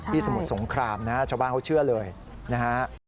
สมุทรสงครามนะฮะชาวบ้านเขาเชื่อเลยนะฮะ